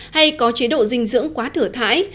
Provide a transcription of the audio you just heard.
hay có chế độ dinh dưỡng quá thửa thải